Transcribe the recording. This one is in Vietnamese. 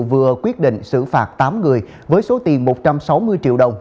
vừa quyết định xử phạt tám người với số tiền một trăm sáu mươi triệu đồng